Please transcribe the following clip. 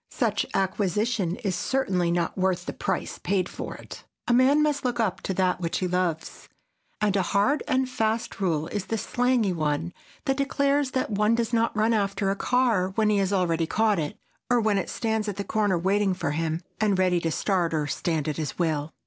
Such acquisition is certainly not worth the price paid for it. A man must look up to that which he loves. And a hard and fast rule is the slangy one that declares that one does not run after a car when he has already caught it, or when it stands at the corner waiting for him, and ready to start or stand at his will.